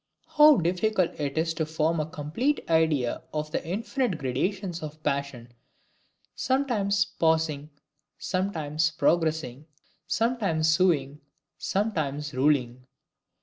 How difficult it is to form a complete idea of the infinite gradations of passion sometimes pausing, sometimes progressing, sometimes suing, sometimes ruling!